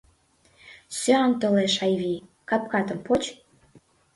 Сӱан толеш, Айвий, капкатым поч!